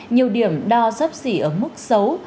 nhiều điểm đo dấp dỉ ở mức xấu